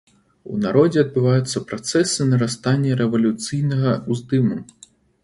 У народзе адбываюцца працэсы нарастання рэвалюцыйнага ўздыму.